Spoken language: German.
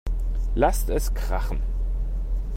Lasst es krachen!